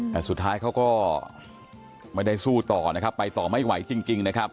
แต่สุดท้ายเขาก็ไม่ได้สู้ต่อนะครับไปต่อไม่ไหวจริงนะครับ